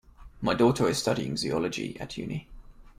My daughter is studying zoology at uni